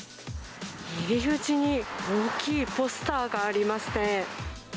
入り口に大きいポスターがありますね。